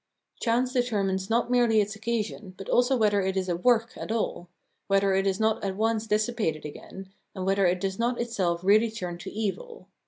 Chance determines not merely its occasion, but also whether it is a "work" at all, whether it is not at once dissipated again, and whether it does not itself really turn to evil.